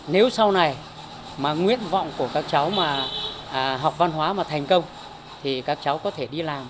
nếu sau này mà nguyện vọng của các cháu mà học văn hóa mà thành công thì các cháu có thể đi làm